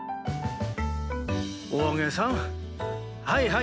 はい！